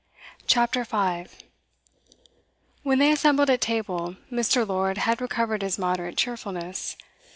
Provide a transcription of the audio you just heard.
CHAPTER 5 When they assembled at table, Mr. Lord had recovered his moderate cheerfulness.